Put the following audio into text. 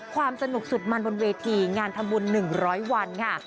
ความสนุกสุดมันบนเวทีงานทำบุญ๑๐๐วันค่ะ